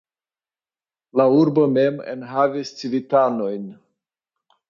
La urbo mem en havis civitanojn.